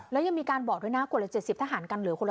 แล้วยังมีการบอกด้วยนะคนละ๗๐ทหารกันเหลือคนละ